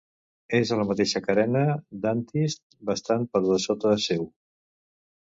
És a la mateixa carena d'Antist, bastant per dessota seu.